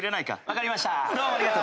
分かりました。